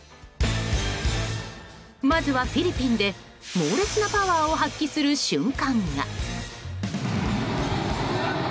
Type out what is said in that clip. まずはフィリピンで猛烈なパワーを発揮する瞬間が。